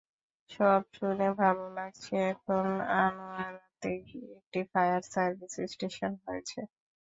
তবে শুনে ভালো লাগছে এখন আনোয়ারাতেই একটি ফায়ার সার্ভিস স্টেশন হয়েছে।